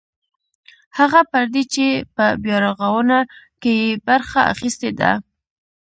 هغه پردي چې په بیارغاونه کې یې برخه اخیستې ده.